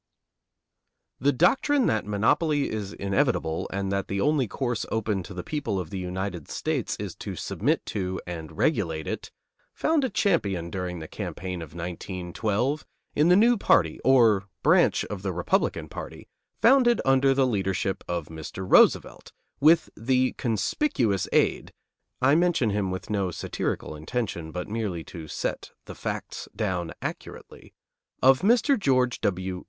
The doctrine that monopoly is inevitable and that the only course open to the people of the United States is to submit to and regulate it found a champion during the campaign of 1912 in the new party, or branch of the Republican party, founded under the leadership of Mr. Roosevelt, with the conspicuous aid, I mention him with no satirical intention, but merely to set the facts down accurately, of Mr. George W.